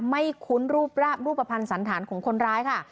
คุ้นรูปราบรูปภัณฑ์สันธารของคนร้ายค่ะ